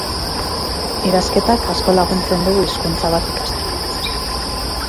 Idazketak asko laguntzen du hizkuntza bat ikasten.